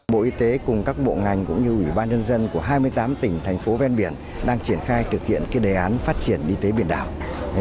bộ y tế cùng các bộ ngành cũng như ủy ban nhân dân của hai mươi tám tỉnh thành phố ven biển đang triển khai thực hiện đề án phát triển y tế biển đảo